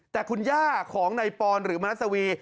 แต่คุณย่าของในปรหรือมานัสวี